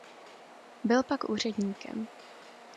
Byl pak úředníkem.